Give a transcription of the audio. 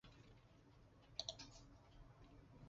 首府帕利尼。